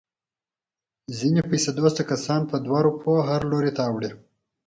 ځنې پیسه دوسته کسان په دوه روپیو هر لوري ته اوړي.